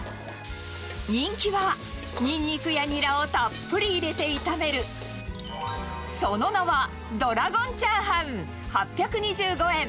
人気は、にんにくやにらをたっぷり入れて炒める、その名は、ドラゴン炒飯８２５円。